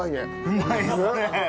うまいですね。